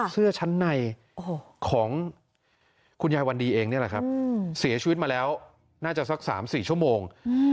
เสื้อชั้นในของคุณยายวันดีเองนี่แหละครับเสียชีวิตมาแล้วน่าจะสัก๓๔ชั่วโมง